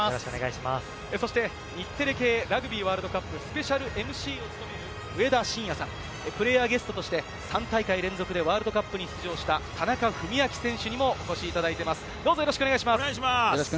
そして日テレ系ラグビーワールドカップスペシャルＭＣを務める上田晋也さん、プレーヤーゲストとして３大会連続でワールドカップに出場した田中史朗選手にもお越しいただいています、よろしくお願いします。